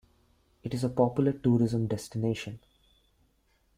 It is a popular tourism destination.